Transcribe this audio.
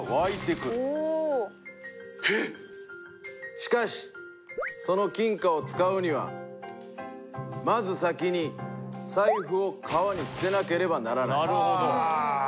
しかしその金貨を使うにはまず先に財布を川に捨てなければならない。